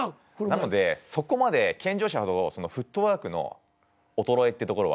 なのでそこまで健常者ほどフットワークの衰えってところはないと思うんですよ。